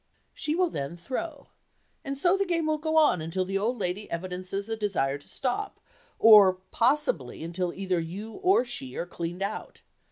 She will then "throw," and so the game will go on until the old lady evidences a desire to stop, or, possibly, until either you or she are "cleaned out."